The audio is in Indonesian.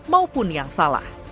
maupun yang salah